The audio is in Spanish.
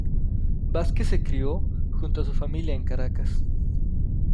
Vázquez se crio junto a su familia en Caracas.